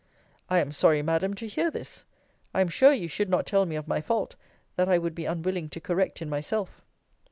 I am sorry, Madam, to hear this. I am sure you should not tell me of my fault, that I would be unwilling to correct in myself.